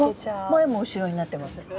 前も後ろになってます。